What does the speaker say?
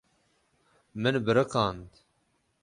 Min biriqand.